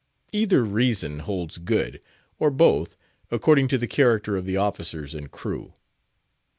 Either reason holds good, or both, according to the character of the officers and crew.